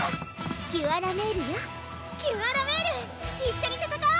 キュアラメールよキュアラメール一緒に戦おう！